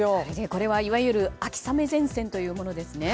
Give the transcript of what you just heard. これは、いわゆる秋雨前線というものですね。